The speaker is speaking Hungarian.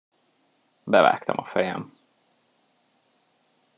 Bevágtam a fejem.